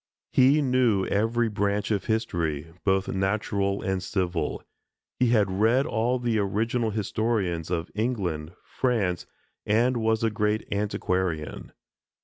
He knew every branch of history, both natural and civil; he had read all the original historians of England, France, and was a great antiquarian.